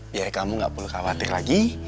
biar kamu gak perlu khawatir lagi